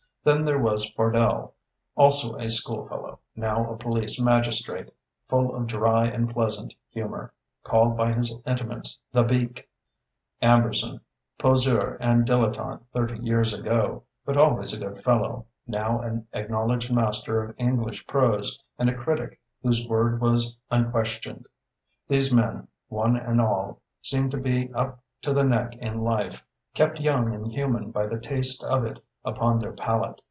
Then there was Fardell, also a schoolfellow, now a police magistrate, full of dry and pleasant humour, called by his intimates "The Beak "; Amberson, poseur and dilettante thirty years ago, but always a good fellow, now an acknowledged master of English prose and a critic whose word was unquestioned. These men, one and all, seemed to be up to the neck in life, kept young and human by the taste of it upon their palate.